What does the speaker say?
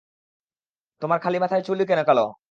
তোমার খালি মাথার চুলই কেন কালো?